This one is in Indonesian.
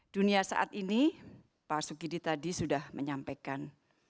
dunia saat ini pak sugidi tadi sudah menyampaikan